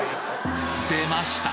出ました！